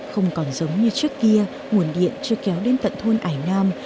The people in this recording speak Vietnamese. không còn giống như trước kia nguồn điện chưa kéo đến tận thôn ải nam